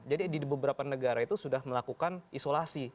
di beberapa negara itu sudah melakukan isolasi